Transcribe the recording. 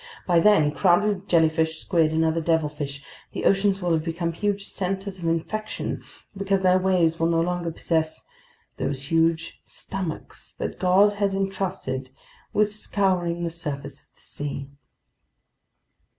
By then, crowded with jellyfish, squid, and other devilfish, the oceans will have become huge centers of infection, because their waves will no longer possess "these huge stomachs that God has entrusted with scouring the surface of the sea."